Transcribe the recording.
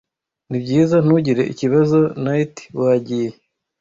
nibyiza ntugire ikibazo knight wagiye